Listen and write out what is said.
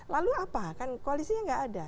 lalu apa koalisinya tidak ada